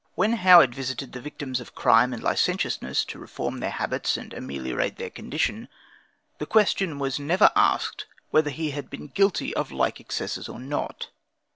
When Howard visited the victims of crime and licentiousness, to reform their habits and ameliorate their condition, the question was never asked whether he had been guilty of like excesses or not?